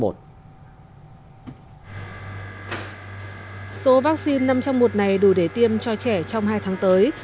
số vaccine năm trong một này đủ để tiêm cho trẻ trong hai tháng tới